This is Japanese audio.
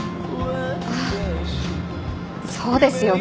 ああそうですよね。